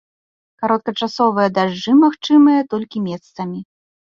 Кароткачасовыя дажджы магчымыя толькі месцамі.